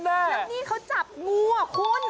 แล้วนี่เขาจับงูอ่ะคุณ